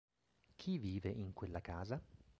Chi vive in quella casa?